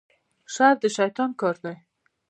شر د شیطان کار دی